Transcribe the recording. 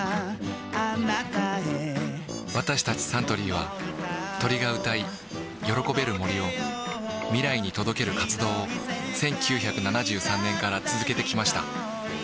私たちサントリーは鳥が歌い喜べる森を未来に届ける活動を１９７３年から続けてきました